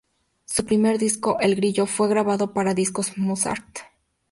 Su primer disco, "El grillo", fue grabado para Discos Musart.